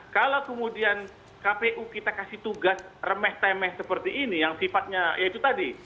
kalau kemudian kpu kita kasih tugas remeh temeh seperti ini yang sifatnya ya itu tadi